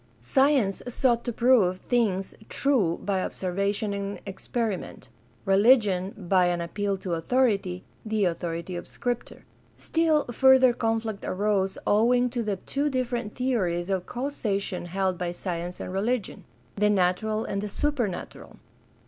Science sought to prove things true by observation and experiment; religion, by an appeal to authority— the authority of Scripture. Still further conflict arose owing to the . two different theories of causation held by science and religion — the natural and the supernatural.